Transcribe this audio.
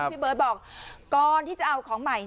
พี่เบิร์ตบอกก่อนที่จะเอาของใหม่